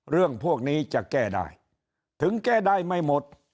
เรื่องพวกนี้จะแก้ได้ถึงแก้ได้ไม่หมด